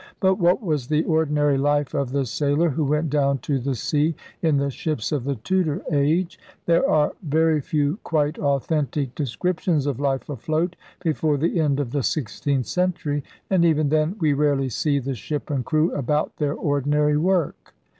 But what was the ordinary life of the sailor who went down to the sea in the ships of the Tudor age ? There are very few quite authentic descriptions of life afloat before the end of the sixteenth century; and even then we rarely see the ship and crew about their ordinary work.